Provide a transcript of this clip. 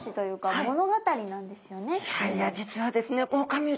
いやいや実はですね